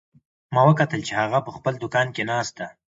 ما وکتل چې هغه په خپل دوکان کې ناست ده